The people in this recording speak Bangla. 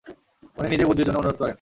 উনি নিজেই বদলির জন্য অনুরোধ করেন।